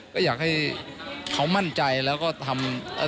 ก็อยากให้เขามั่นใจแล้วก็ทำ